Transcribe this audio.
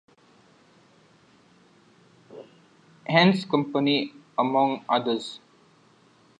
Heinz Company, among others.